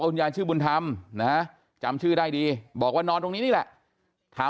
คุณยายชื่อบุญธรรมนะจำชื่อได้ดีบอกว่านอนตรงนี้นี่แหละถาม